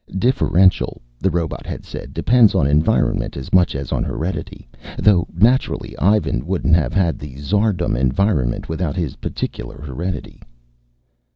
"Differential," the robot had said, "depends on environment as much as on heredity. Though naturally Ivan wouldn't have had the Tsardom environment without his particular heredity."